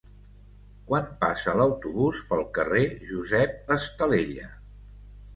Quan passa l'autobús pel carrer Josep Estalella?